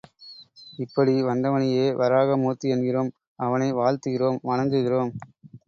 இப்படி வந்தவனையே வராக மூர்த்தி என்கிறோம், அவனை வாழ்த்துகிறோம், வணங்குகிறோம்.